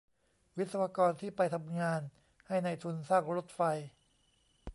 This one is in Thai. วิศวกรที่ไปทำงานให้นายทุนสร้างรถไฟ